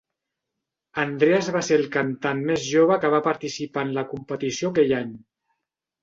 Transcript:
Andreas va ser el cantant més jove que va participar en la competició aquell any.